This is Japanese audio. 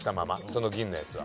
その銀のやつは。